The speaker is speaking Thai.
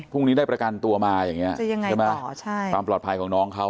พรุ่งนี้ได้ประกันตัวมาอย่างนี้ความปลอดภัยของน้องเขา